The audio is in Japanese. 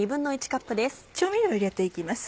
調味料を入れて行きます。